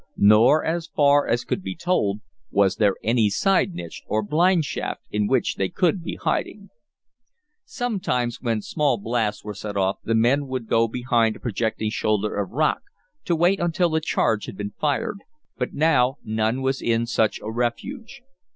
Nor, as far as could be told, was there any side niche, or blind shaft, in which they could be hiding. Sometimes, when small blasts were set off, the men would go behind a projecting shoulder of rock to wait until the charge had been fired, but now none was in such a refuge.